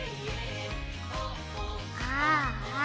ああ。